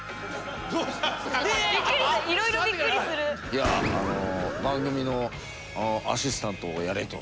いやあの番組のアシスタントをやれと。